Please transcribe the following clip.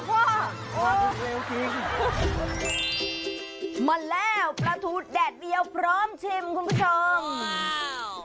อ้าวพ่อโอ้มาแล้วปลาทูแดดเดียวพร้อมชิมคุณผู้ชมว้าว